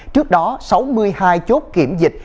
trước đó sáu mươi hai chốt kiểm dịch